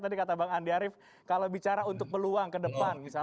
tadi kata bang andi arief kalau bicara untuk peluang ke depan